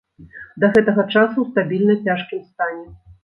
Да гэтага часу ў стабільна цяжкім стане.